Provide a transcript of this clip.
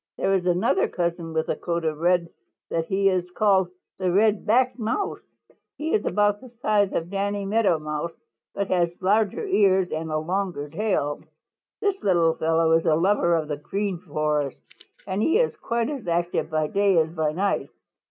There is another cousin with a coat so red that he is called the Red backed Mouse. He is about the size of Danny Meadow Mouse but has larger ears and a longer tail. "This little fellow is a lover of the Green Forest, and he is quite as active by day as by night.